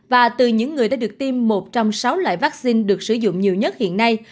và từ những người đã được tiêm một trong sáu loại vaccine được sử dụng nhiều nhất hiện nay